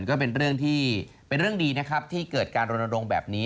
ก็เป็นเรื่องที่เป็นเรื่องดีนะครับที่เกิดการรณรงค์แบบนี้